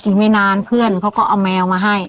อีกไม่นานเพื่อนเขาก็เอาแมวมาให้